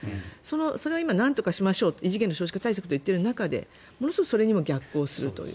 それは今、なんとかしましょう異次元の少子化対策と言っている中でものすごいそれにも逆行するという。